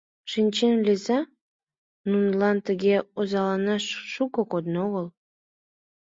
Шинчем лийза, нунылан тыге озаланаш шуко кодын огыл.